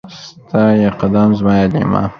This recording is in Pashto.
ستا يې قدم ، زما يې ليمه.